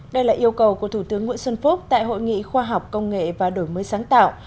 đây là yêu cầu của thủ tướng nguyễn xuân phúc tại hội nghị khoa học công nghệ và đổi mới sáng tạo